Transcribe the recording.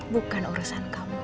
bukan urusan kamu